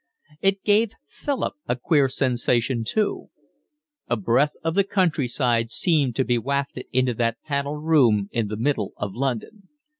It gave Philip a queer sensation too. A breath of the country side seemed to be wafted into that panelled room in the middle of London.